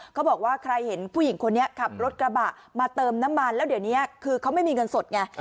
เขาบอกว่าใครเห็นผู้หญิงคนนี้ขับรถกระบะมาเติมน้ำมันแล้วเดี๋ยวนี้คือเขาไม่มีเงินสดไง